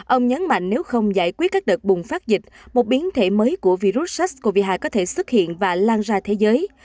ông nhấn mạnh nếu không giải quyết các đợt bùng phát dịch một biến thể mới của virus sars cov hai có thể xuất hiện và lan ra thế giới